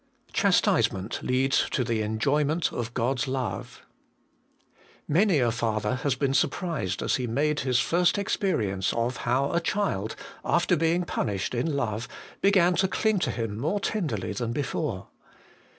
Chastisement leads to the enjoyment of God's love. Many a father has been surprised as he made his first experience of how a child, after being punished HOLINESS AND CHASTISEMENT. 259 in love, began to cling to him more tenderly than before.